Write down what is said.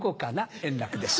円楽です。